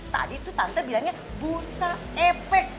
tadi tuh tante bilangnya bursa epek